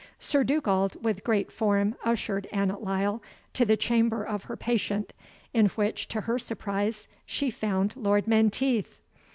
Sir Dugald with great form ushered Annot Lyle to the chamber of her patient, in which, to her surprise, she found Lord Menteith.